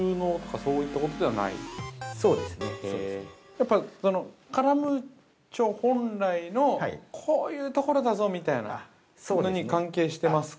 ◆やっぱりカラムーチョ本来のこういうところだぞみたいなのに関係していますか。